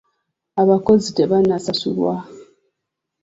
Abakozi tebanasasulwa.